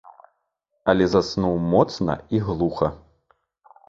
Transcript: Але заснуў моцна і глуха.